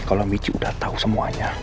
kalau michi udah tahu semuanya